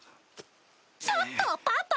ちょっとパパ！